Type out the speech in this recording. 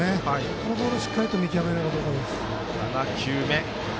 このボールをしっかり見極めたいところです。